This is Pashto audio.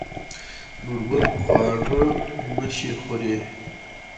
نورګل: خواره مه شې خورې.